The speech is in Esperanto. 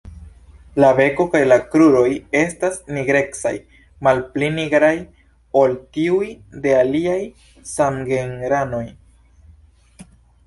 La beko kaj kruroj estas nigrecaj, malpli nigraj ol tiuj de aliaj samgenranoj.